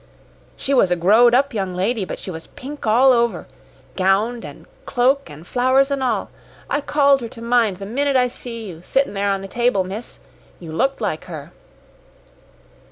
She was a growed up young lady, but she was pink all over gownd an' cloak, an' flowers an' all. I called her to mind the minnit I see you, sittin' there on the table, miss. You looked like her."